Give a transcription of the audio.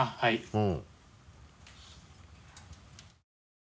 うん。